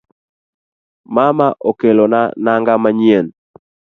Mama okelona nang'a manyien